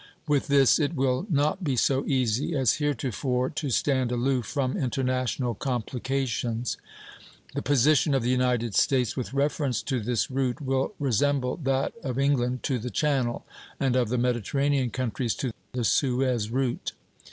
With this it will not be so easy as heretofore to stand aloof from international complications. The position of the United States with reference to this route will resemble that of England to the Channel, and of the Mediterranean countries to the Suez route.